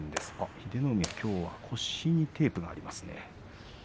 英乃海はきょうは腰にテープがありますね。